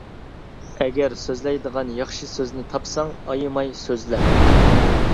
ئەگەر سۆزلەيدىغان ياخشى سۆزنى تاپساڭ، ئايىماي سۆزلە.